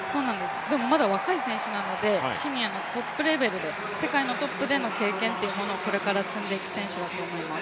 でも、まだ若い選手なのでシニアのトップレベルで世界のトップでの経験というのをこれから積んでいく選手だと思います。